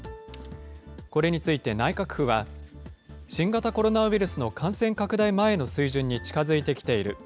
これについて内閣府は、新型コロナウイルスの感染拡大前の水準に近づいてきている。